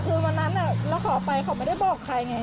สื่อเหลียวน่ะ